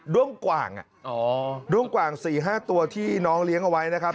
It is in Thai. ดวงกว่างอ่ะอ๋อดวงกว่างสี่ห้าตัวที่น้องเลี้ยงเอาไว้นะครับ